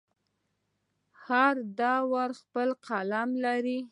هر دور خپل قلم لري.